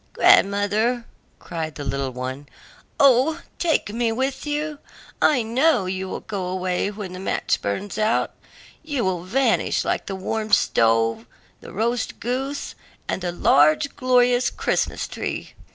"Grandmother," cried the little one, "O take me with you; I know you will go away when the match burns out; you will vanish like the warm stove, the roast goose, and the large, glorious Christmas tree."